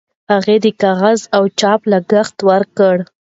هغې د کاغذ او چاپ لګښت ورکړ.